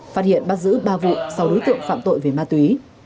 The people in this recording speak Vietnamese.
phát hiện bắt giữ ba vụ sáu đối tượng phạm tội về ma túy